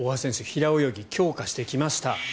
平泳ぎ強化してきました。